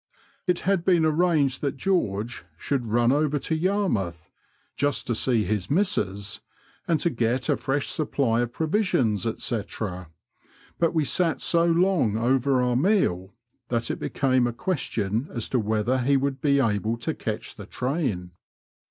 It had been arranged that George should run over to Yarmouth, just to see his missus," and to get a fresh supply of provisions, &c., but we sat so long over our meal that it became a question as to whether he would be able to catch the train.